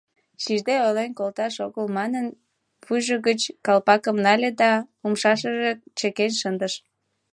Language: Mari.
Шижде ойлен колташ огыл манын, вуйжо гыч калпакым нале да умшашкыже чыкен шындыш.